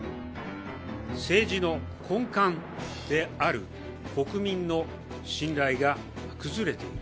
政治の根幹である国民の信頼が崩れている。